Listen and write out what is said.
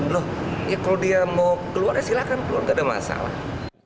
loh ya kalau dia mau keluar ya silahkan keluar nggak ada masalah